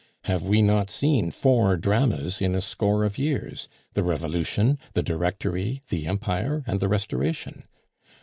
Have we not seen four dramas in a score of years the Revolution, the Directory, the Empire, and the Restoration?